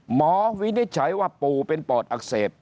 วินิจฉัยว่าปู่เป็นปอดอักเสบ